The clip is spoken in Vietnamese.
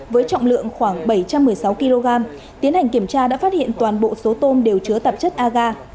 với trọng lượng khoảng bảy trăm một mươi sáu kg tiến hành kiểm tra đã phát hiện toàn bộ số tôm đều chứa tạp chất aga